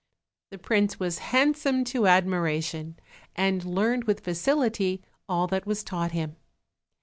The prince was handsome to admiration, and learned with facility all that was taught him.